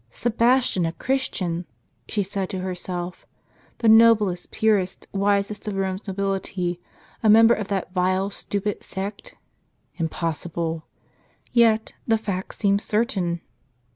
Sebastian a Christian ! she said to her self; the noblest, purest, wisest of Eome's nobility a member of that vile, stupid sect ? Impossible ! Yet, the fact seems certain.